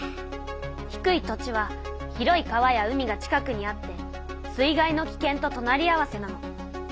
低い土地は広い川や海が近くにあって水害のきけんととなり合わせなの。